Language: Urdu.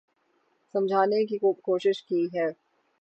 سمجھانے کی کوشش کی ہے